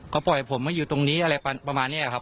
ก็ปล่อยผมมาอยู่ตรงนี้อะไรประมาณนี้ครับ